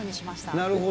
なるほど。